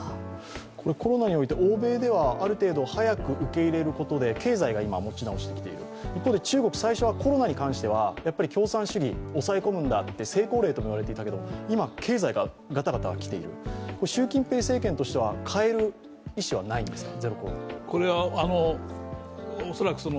コロナにおいて欧米ではある程度早く受け入れることによって経済が持ち直している一方で中国、最初はコロナに関しては共産主義、抑え込むんだと成功例としていわれてましたが今、経済がガタガタ来ている、習近平政権としては変える意思はないんですか。